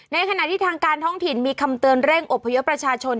ในขณะที่ทางการท้องถิ่นมีคำเตือนเร่งอบพยพประชาชน